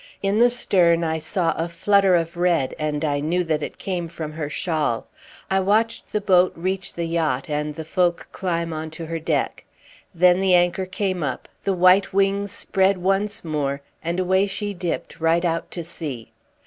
In the stern I saw a flutter of red, and I knew that it came from her shawl. I watched the boat reach the yacht and the folk climb on to her deck. Then the anchor came up, the white wings spread once more, and away she dipped right out to sea.